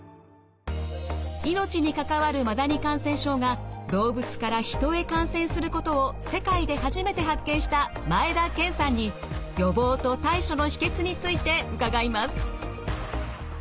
命に関わるマダニ感染症が動物から人へ感染することを世界で初めて発見した前田健さんに予防と対処の秘けつについて伺います。